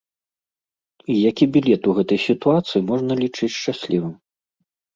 І які білет у гэтай сітуацыі можна лічыць шчаслівым?